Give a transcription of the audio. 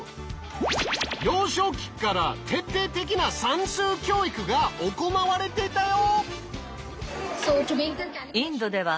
幼少期から徹底的な算数教育が行われてたよ！